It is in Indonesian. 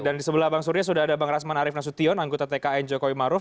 dan di sebelah bang surya sudah ada bang rasman arief nasution anggota tkn jokowi maruf